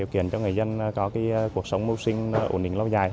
điều kiện cho người dân có cuộc sống mưu sinh ổn định lâu dài